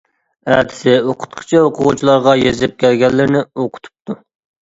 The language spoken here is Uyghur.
ئەتىسى ئوقۇتقۇچى ئوقۇغۇچىلارغا يېزىپ كەلگەنلىرىنى ئوقۇتۇپتۇ.